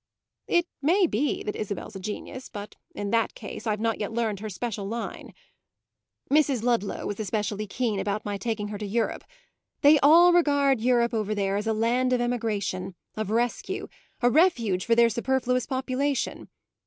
It may be that Isabel's a genius; but in that case I've not yet learned her special line. Mrs. Ludlow was especially keen about my taking her to Europe; they all regard Europe over there as a land of emigration, of rescue, a refuge for their superfluous population.